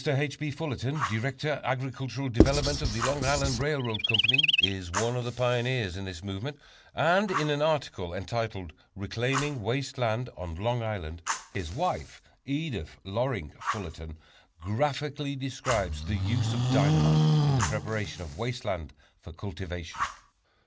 H. B. Fullerton, Director Agricultural Development of the Long Island Railroad, is one of the pioneers in this movement, and in an article entitled "Reclaiming Waste Land on Long Island," his wife, Edith Loring Fullerton, graphically describes the use of dynamite in the preparation of waste land for cultivation.